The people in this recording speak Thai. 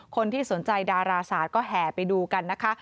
คนที่สนใจดาราศาสตร์ก็แห่ไปดูกันนะคะ